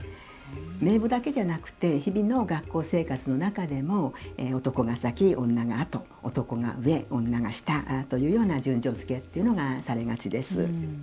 名簿だけじゃなくて日々の学校生活の中でも男が先、女が後男が上、女が下というような順序づけというのがされがちです。